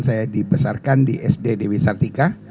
saya dibesarkan di sd dewi sartika